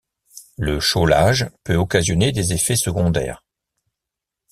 Le chaulage peut occasionner des effets secondaires.